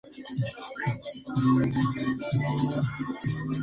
La parte baja se ordena mediante arcos carpaneles realizados en ladrillo.